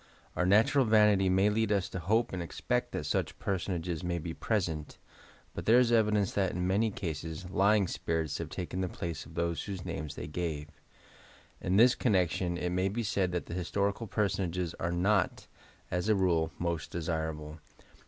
Our natural vanity may lead us to hope and expect that BUch personages may be present, but there is evidence that, in many cases, lying spirits have taken the places of those whose names they gave, In this connection it may be said that historical personages are not, as a rule, most desirable.